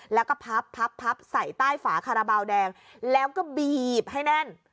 แล้วก็พับพับพับใส่ใต้ฝาคาราบาลแดงแล้วก็บีบให้แน่น